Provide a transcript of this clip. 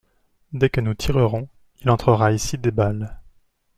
Dès que nous tirerons, il entrera ici des balles.